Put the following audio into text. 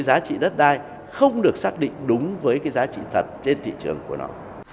giá trị đất đai không được xác định đúng với cái giá trị thật trên thị trường của nó